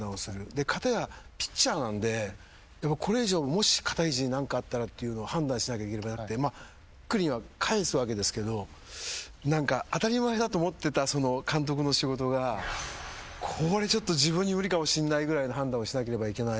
片やピッチャーなんでこれ以上もし肩肘に何かあったらっていうのを判断しなきゃいけなくなってまあ栗は帰すわけですけど何か当たり前だと思ってたその監督の仕事がこれちょっと自分に無理かもしんないぐらいの判断をしなければいけない。